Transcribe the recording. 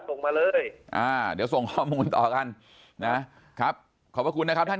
ส่งมาเลยอ่าเดี๋ยวส่งข้อมูลต่อกันนะครับขอบพระคุณนะครับท่าน